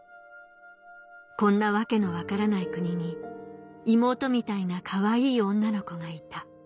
「こんな訳の分からない国に妹みたいなかわいい女の子がいた」